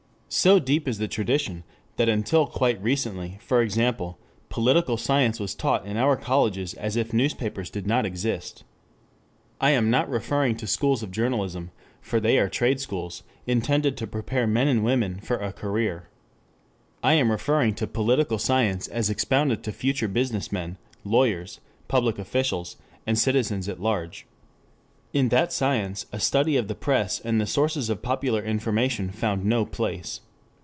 So deep is the tradition, that until quite recently, for example, political science was taught in our colleges as if newspapers did not exist. I am not referring to schools of journalism, for they are trade schools, intended to prepare men and women for a career. I am referring to political science as expounded to future business men, lawyers, public officials, and citizens at large. In that science a study of the press and the sources of popular information found no place.